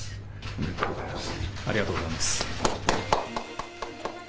おめでとうございます。